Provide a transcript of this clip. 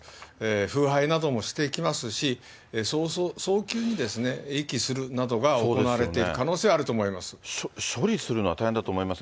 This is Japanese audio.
腐敗などもしてきますし、早急に遺棄するなどが行われている可能処理するのは大変だと思います。